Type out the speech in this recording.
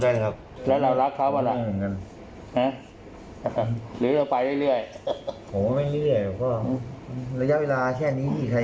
แล้วหลอกมาอีกคนแล้วเนี่ยไม่ผมไม่เคยหลอกมึงผมไม่เคยหลอกใครอะ